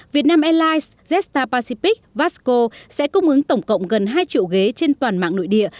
việt nam airlines jetstar pacific vasco sẽ cung ứng tổng cộng gần hai triệu ghế trên toàn mạng nội địa